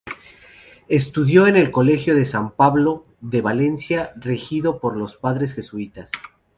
Estudió en el Colegio de San Pablo de Valencia, regido por los padres jesuitas.